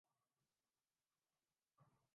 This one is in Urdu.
کہ انہیں کسی ایسی ہستی کی تائید میسر آ جائے